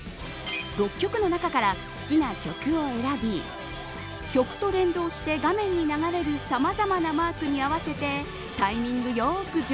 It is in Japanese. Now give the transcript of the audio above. ６曲の中から好きな曲を選び曲と連動して画面に流れるさまざまなマークに合わせてタイミングよく